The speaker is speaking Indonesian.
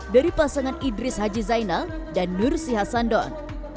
dari pasangan idris haji zainal dan nursi hassandon